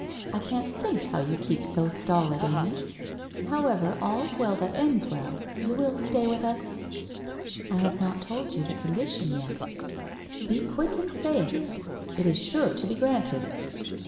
I can't think how you keep so stolid, Amy? However, all's well that ends well — you will stay with us?' 1 I have not told you the condition yet.' ' P>o quick and say it. It is sure to be granted.'